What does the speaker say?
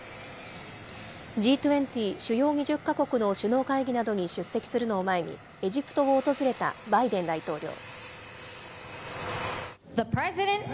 主要２０か国の首脳会議などに出席するのを前に、エジプトを訪れたバイデン大統領。